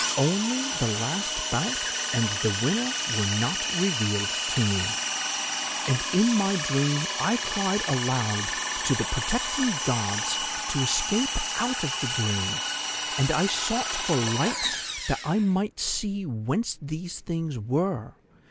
Only the last bout and the winner were not revealed to me. "'And in my dream I cried aloud to the protecting Gods to escape out of the dream, and I sought for light that I might see whence these things were.